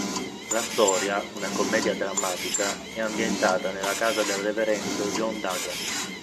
La storia, una commedia drammatica, è ambientata nella casa del reverendo John Douglas.